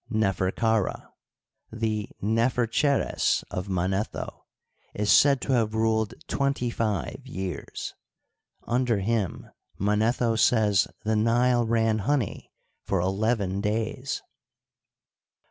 Neferkara, the Nephercheres of Manetho, is said to have ruled twenty five years. Under him, Manetho says, the Nile ran honey for eleven days.